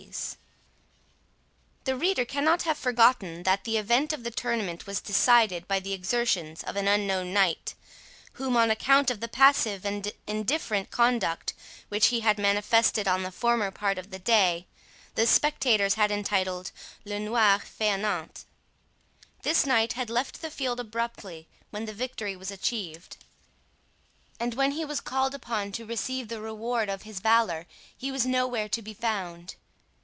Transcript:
PARNELL The reader cannot have forgotten that the event of the tournament was decided by the exertions of an unknown knight, whom, on account of the passive and indifferent conduct which he had manifested on the former part of the day, the spectators had entitled, "Le Noir Faineant". This knight had left the field abruptly when the victory was achieved; and when he was called upon to receive the reward of his valour, he was nowhere to be found.